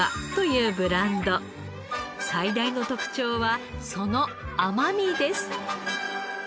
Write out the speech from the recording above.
最大の特長はその甘みです。